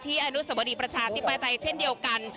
อนุสวรีประชาธิปไตยเช่นเดียวกัน